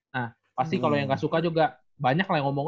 nah pasti kalau yang gak suka juga banyak lah yang ngomong